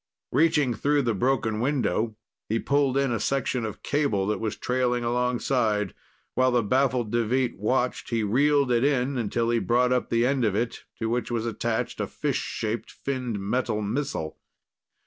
Reaching through the broken window, he pulled in a section of cable that was trailing alongside. While the baffled Deveet watched, he reeled it in until he brought up the end of it, to which was attached a fish shaped finned metal missile.